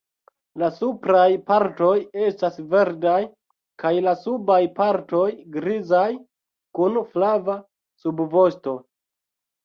La supraj partoj estas verdaj kaj la subaj partoj grizaj, kun flava subvosto.